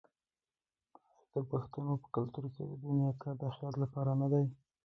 آیا د پښتنو په کلتور کې د دنیا کار د اخرت لپاره نه دی؟